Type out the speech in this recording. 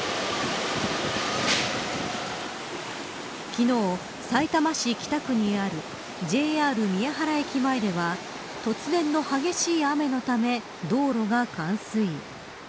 昨日、さいたま市北区にあるＪＲ宮原駅前では突然の激しい雨のため道路が冠水。